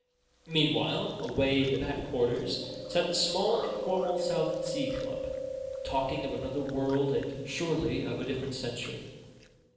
Meanwhile, away in the back quarters, sat the small informal South Sea club, talking of another world and surely of a different century.